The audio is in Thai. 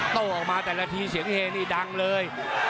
โต้ออกมาแต่ละทีเสียงเฮนี่ดังเลย